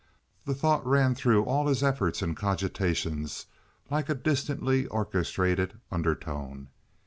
The thought ran through all his efforts and cogitations like a distantly orchestrated undertone.